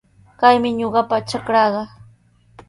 Kaymi ñuqapa trakraaqa.